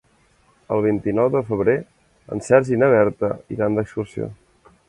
El vint-i-nou de febrer en Sergi i na Berta iran d'excursió.